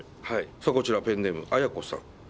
はいさあこちらペンネームあやこさん。